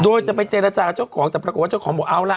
โดยจะไปเจรจากับเจ้าของแต่ปรากฏว่าเจ้าของบอกเอาล่ะ